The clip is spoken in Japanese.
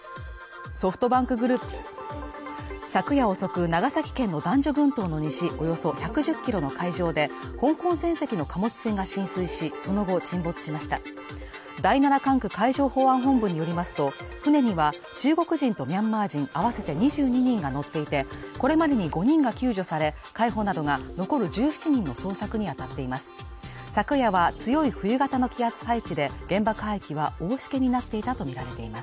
昨夜遅く長崎県の男女群島の西およそ１１０キロの海上で香港船籍の貨物船が浸水しその後沈没しました第７管区海上保安本部によりますと船には中国人とミャンマー人合わせて２２人が乗っていてこれまでに５人が救助され海保などが残る１７人の捜索に当たっています